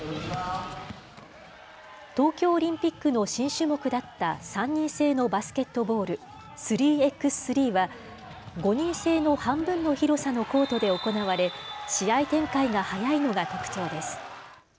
東京オリンピックの新種目だった３人制のバスケットボール、３×３は５人制の半分の広さのコートで行われ試合展開が速いのが特長です。